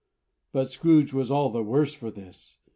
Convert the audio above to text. But Scrooge was all the worse for this.